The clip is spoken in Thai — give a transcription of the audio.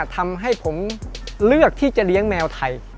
ทำให้ผมเลือกที่จะเลี้ยงแมวไทย